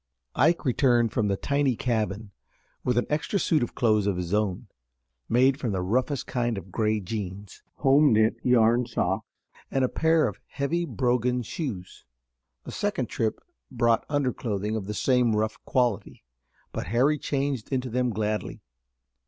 Ike returned from the tiny cabin with an extra suit of clothes of his own, made of the roughest kind of gray jeans, home knit yarn socks and a pair of heavy brogan shoes. A second trip brought underclothing of the same rough quality, but Harry changed into them gladly.